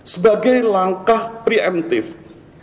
sebagai langkah pre emptive